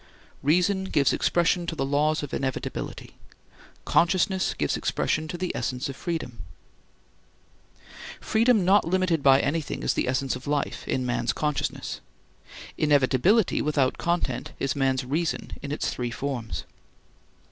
Reason gives expression to the laws of inevitability. Consciousness gives expression to the essence of freedom. Freedom not limited by anything is the essence of life, in man's consciousness. Inevitability without content is man's reason in its three forms.